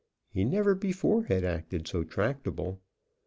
He never before had acted so tractable.